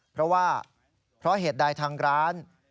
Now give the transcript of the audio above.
เพราะว่าเพราะเหตุใดทางร้าน